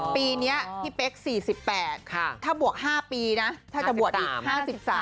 ปีนี้พี่เป๊ก๔๘ถ้าบวก๕ปีนะถ้าจะบวชอีก๕๓